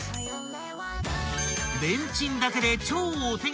［レンチンだけで超お手軽］